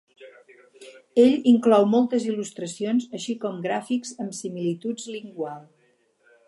Ell inclou moltes il·lustracions, així com gràfics amb similituds lingual.